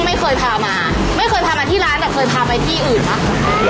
เหรอไม่เคยพามาที่ร้านหรอ